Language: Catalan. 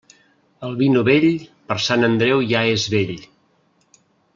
El vi novell, per Sant Andreu ja és vell.